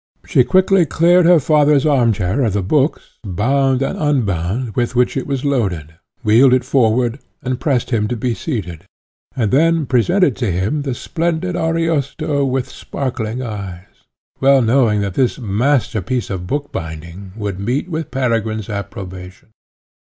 She quickly cleared her father's arm chair of the books, bound and unbound, with which it was loaded, wheeled it forward, and pressed him to be seated, and then presented to him the splendid Ariosto with sparkling eyes, well knowing that this masterpiece of bookbinding would meet with Peregrine's approbation.